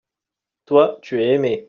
toi, tu es aimé.